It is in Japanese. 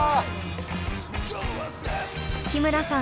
日村さん